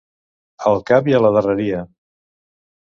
Al cap i a la darreria.